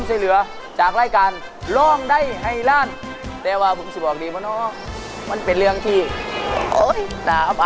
พอเจอคุณโฟนขึ้นมาร้อนได้แล้วครับคุณครับ